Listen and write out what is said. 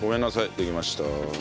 できました。